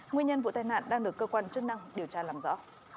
nguyên nhân vụ tai nạn đang được cơ quan chức năng điều tra làm rõ